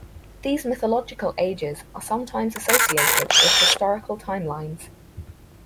These mythological ages are sometimes associated with historical timelines.